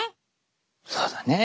そうだね。